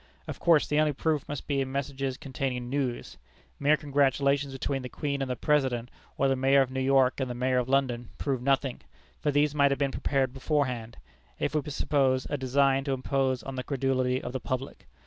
Of course the only proof must be in messages containing news. Mere congratulations between the Queen and the President, or the Mayor of New York and the Mayor of London, prove nothing, for these might have been prepared beforehand, if we suppose a design to impose on the credulity of the public.